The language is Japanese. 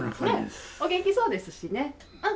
お元気そうですしね。